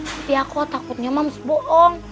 tapi aku takutnya moms bohong